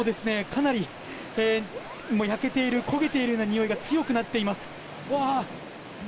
かなり、焼けている焦げているようなにおいが強くなっています。